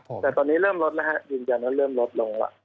แต่ตอนนี้เริ่มลดนะฮะยืนยันว่าเริ่มลดลงแล้ว